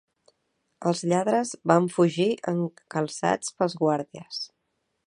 Els lladres van fugir encalçats pels guàrdies.